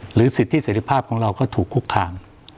หรือสิทธิสิทธิภาพของเราก็ถูกคุกคาง